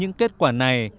các kết quả này